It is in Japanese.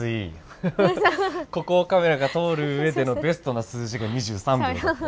ここをカメラが通るうえでのベストな数字が２３秒だった。